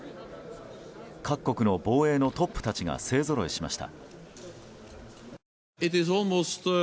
各国の防衛のトップたちが勢ぞろいしました。